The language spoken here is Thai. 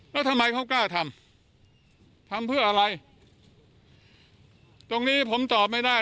แล้วทำไมเขากล้าทำทำเพื่ออะไรตรงนี้ผมตอบไม่ได้